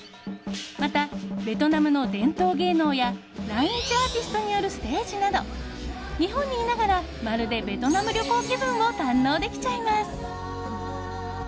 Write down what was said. また、ベトナムの伝統芸能や来日アーティストによるステージなど日本にいながらまるでベトナム旅行気分を堪能できちゃいます。